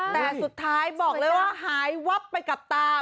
แต่สุดท้ายบอกเลยว่าหายวับไปกับตา